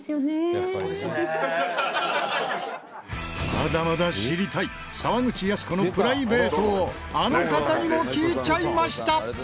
まだまだ知りたい沢口靖子のプライベートをあの方にも聞いちゃいました！